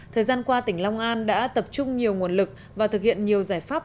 thời gian qua tỉnh long an đã tập trung nhiều nguồn lực và thực hiện nhiều giải pháp